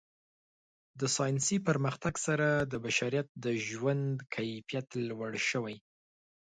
د ساینسي پرمختګ سره د بشریت د ژوند کیفیت لوړ شوی.